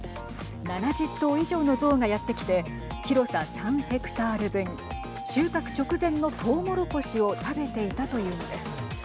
７０頭以上の象がやって来て広さ３ヘクタール分収穫直前のとうもろこしを食べていたというのです。